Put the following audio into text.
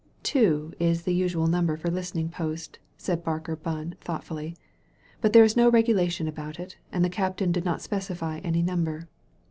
"Two is the usual number for a listening post, said Barker Bunn thoughtfully. "But there is no regulation about it, and the captain did not specify any number.